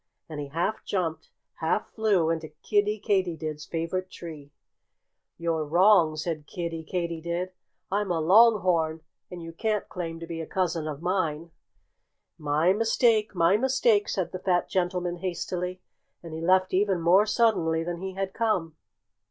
And he half jumped, half flew into Kiddie Katydid's favorite tree. "You're wrong!" said Kiddie Katydid. "I'm a Long horn and you can't claim to be a cousin of mine." "My mistake! My mistake!" said the fat gentleman hastily. And he left even more suddenly than he had come.